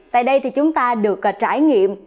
tại đây thì chúng ta được trải nghiệm